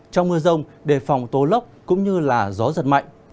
trong mưa rông đề phòng tô lốc cũng như là gió giật mạnh